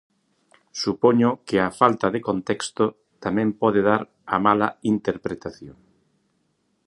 Supoño que a falta de contexto tamén pode dar a mala interpretación.